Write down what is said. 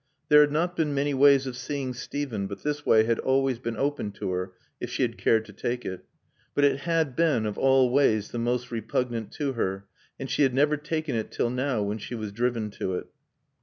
There had not been many ways of seeing Steven, but this way had always been open to her if she had cared to take it. But it had been of all ways the most repugnant to her, and she had never taken it till now when she was driven to it.